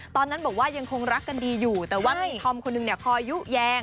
ตอนนั้นบอกว่ายังคงรักกันดีอยู่แต่ว่ามีธอมคนหนึ่งเนี่ยคอยยุแยง